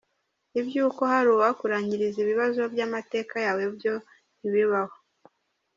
Iby'uko hari uwakurangiriza ibibazo by' amateka yawe byo ntibibaho.